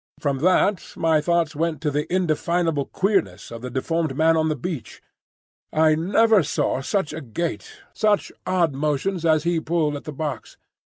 From that my thoughts went to the indefinable queerness of the deformed man on the beach. I never saw such a gait, such odd motions as he pulled at the box.